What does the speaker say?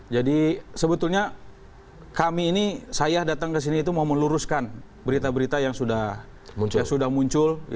jadi sebetulnya kami ini saya datang ke sini itu mau meluruskan berita berita yang sudah muncul